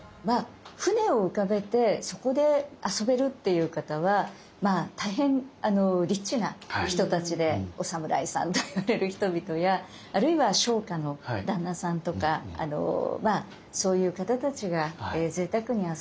船を浮かべてそこで遊べるっていう方は大変リッチな人たちでお侍さんと言われる人々やあるいは商家の旦那さんとかそういう方たちがぜいたくに遊んでる。